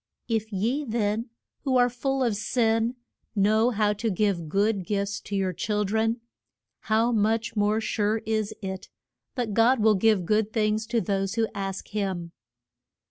If ye then, who are full of sin, know how to give good gifts to your chil dren, how much more sure is it that God will give good things to those who ask him.